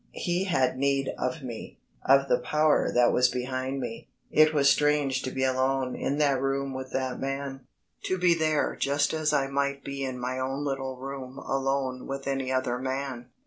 He had need of me, of the power that was behind me. It was strange to be alone in that room with that man to be there just as I might be in my own little room alone with any other man.